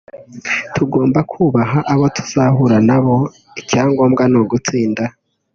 tugomba kubaha abo tuzahura nabo icyagombwa ni ugutsinda